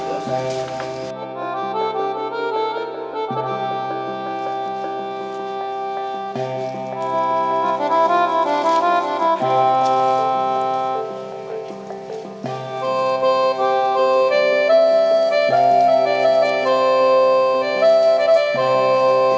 sampai jumpa sayang